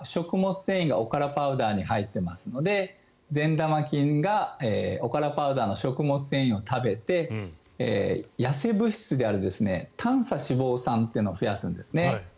繊維がおからパウダーに入っていますので善玉菌が、おからパウダーの食物繊維を食べて痩せ物質である短鎖脂肪酸というのを増やすんですね。